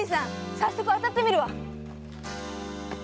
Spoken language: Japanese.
早速当たってみるわ。